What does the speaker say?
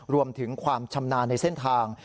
รวมถึงความชำนาญในเส้นทาง